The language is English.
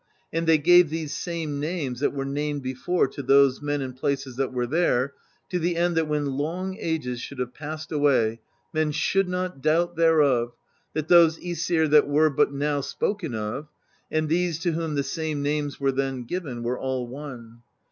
And they gave these same names that were named before to those men and places that were there, to the end that when long ages should have passed away, men should not doubt thereof, that those iEsir that were but now spoken of, and these to whom the same names were then given, were all one.